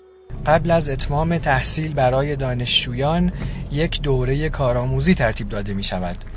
قبل از اتمام تحصیل برای دانشجویان یک دورهٔ کارآموزی ترتیب داده میشود.